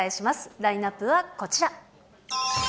ラインナップはこちら。